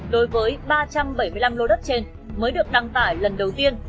đối với ba trăm bảy mươi năm lô đất trên mới được đăng tải lần đầu tiên